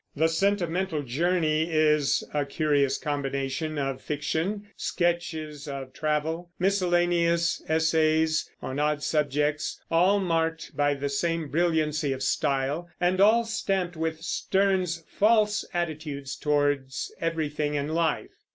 The Sentimental Journey is a curious combination of fiction, sketches of travel, miscellaneous essays on odd subjects, all marked by the same brilliancy of style, and all stamped with Sterne's false attitude towards everything in life.